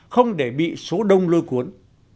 không để bị số đông lôi cuốn